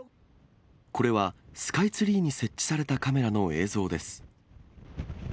これは、スカイツリーに設置されたカメラの映像です。